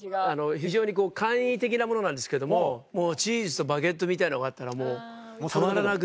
非常に簡易的なものなんですけどもチーズとバゲットみたいなのがあったらもうたまらなく